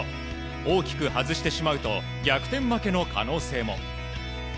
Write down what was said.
大きく外してしまうと逆転負けの可能性も。